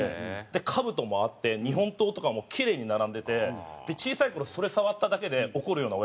かぶともあって日本刀とかもキレイに並んでて小さい頃それ触っただけで怒るようなおやじなんですよ。